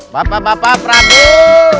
bapak bapak prabut